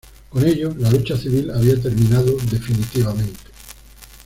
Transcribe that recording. Con ello, la lucha civil había terminado definitivamente.